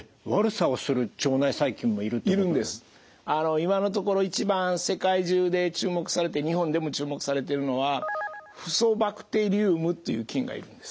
今のところ一番世界中で注目されて日本でも注目されてるのはフソバクテリウムという菌がいるんです。